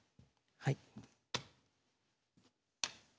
はい。